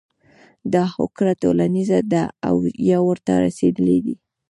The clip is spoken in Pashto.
دا هوکړه ټولیزه ده او یا ورته رسیدلي دي.